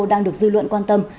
đang được dư luận quan tâm